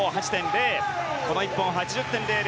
この１本、８１．００。